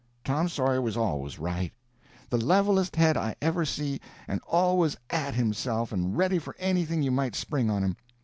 Tom Sawyer was always right—the levelest head I ever see, and always at himself and ready for anything you might spring on him.